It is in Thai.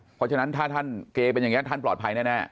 เพราะฉะนั้นถ้าท่านเกเป็นอย่างนี้ท่านปลอดภัยแน่